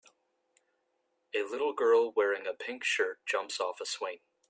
A little girl wearing a pink shirt jumps off a swing.